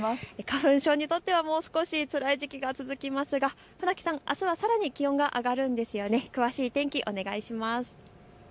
花粉症の方にとっては、もう少しつらい時期が続きますが船木さん、あすはさらに気温が上がるんですよね。